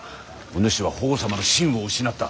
おぬしは法皇様の信を失った。